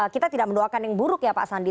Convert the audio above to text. kita tidak mendoakan yang buruk ya pak sandi